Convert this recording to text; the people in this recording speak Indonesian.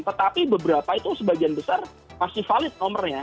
tetapi beberapa itu sebagian besar masih valid nomornya